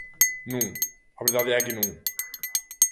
Non, a verdade é que non.